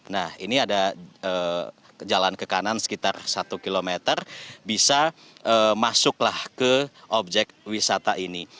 nah ini ada jalan ke kanan sekitar satu km bisa masuklah ke objek wisata ini